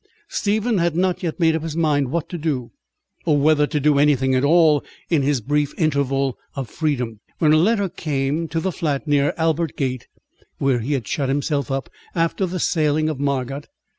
Stephen had not yet made up his mind what to do, or whether to do anything at all in his brief interval of freedom, when a letter came, to the flat near Albert Gate, where he had shut himself up after the sailing of Margot.